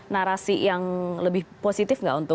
narasi yang lebih positif nggak untuk